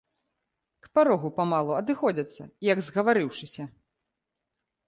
К парогу памалу адыходзяцца, як згаварыўшыся.